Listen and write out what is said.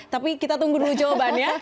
tapi kita tunggu dulu jawabannya